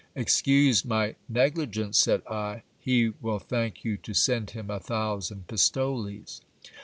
Excuse my negligence ! said I ; he will thank you to send him a thousand pistoles.